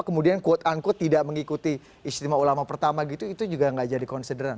kemudian quote unquote tidak mengikuti istimewa ulama pertama gitu itu juga nggak jadi konsideran